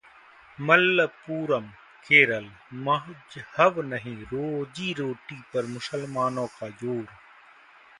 मलप्पुरम, केरल: मजहब नहीं, रोजी-रोटी पर मुसलमानों का जोर